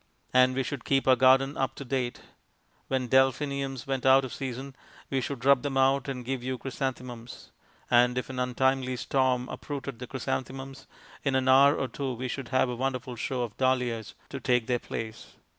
And we should keep our garden up to date. When delphiniums went out of season, we should rub them out and give you chrysanthemums; and if an untimely storm uprooted the chrysanthemums, in an hour or two we should have a wonderful show of dahlias to take their place.